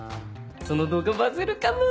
その動画バズるかも！